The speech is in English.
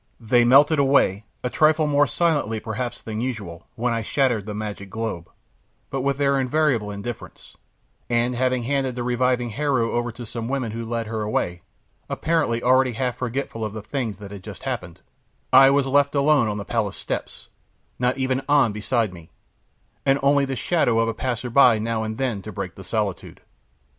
They melted away, a trifle more silently perhaps than usual, when I shattered the magic globe, but with their invariable indifference, and having handed the reviving Heru over to some women who led her away, apparently already half forgetful of the things that had just happened, I was left alone on the palace steps, not even An beside me, and only the shadow of a passerby now and then to break the solitude.